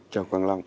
chào quang long